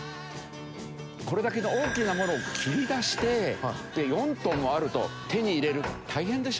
これだけの大きなものを切り出して４トンもあると手に入れる大変でしょ？